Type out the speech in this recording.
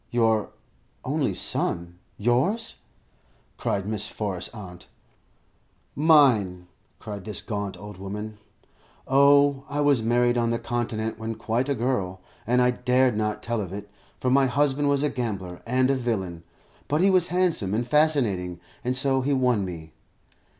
"Your only son? Yours?" cried Miss Forrest's aunt. "Mine," cried this gaunt old woman. "Oh, I was married on the Continent when quite a girl, and I dared not tell of it, for my husband was a gambler and a villain; but he was handsome and fascinating, and so he won me.